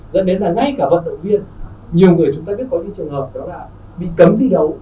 dẫn đến là ngay cả vận động viên nhiều người chúng ta biết có những trường hợp đó là bị cấm thi đấu